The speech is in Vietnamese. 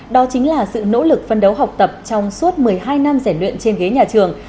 đó chính là sự nỗ lực phân đấu học tập trong suốt một mươi hai năm giải luyện trên ghế nhà trường